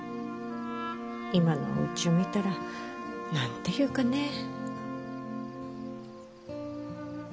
今のうちを見たら何て言うかねえ。